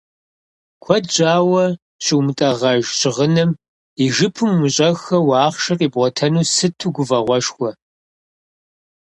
Куэд щӏауэ щыумытӏагъэж щыгъыным и жыпым умыщӏэххэу ахъшэ къибгъуатэну сыту гуфӏэгъуэшхуэ.